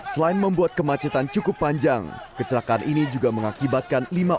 selain membuat kemacetan cukup panjang kecelakaan ini juga mengakibatkan